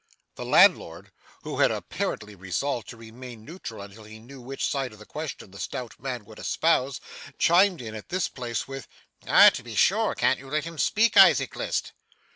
The landlord, who had apparently resolved to remain neutral until he knew which side of the question the stout man would espouse, chimed in at this place with 'Ah, to be sure, can't you let him speak, Isaac List?